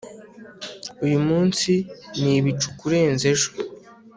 uyu munsi ni ibicu kurenza ejo